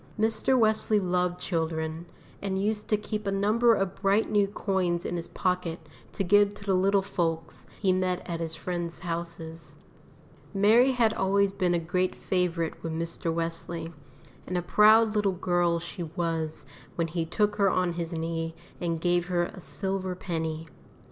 Mr. Wesley loved children, and used to keep a number of bright new coins in his pocket to give to the little folks he met at his friends' houses. Mary had always been a great favourite with Mr. Wesley, and a proud little girl she was when he took her on his knee and gave her a silver penny.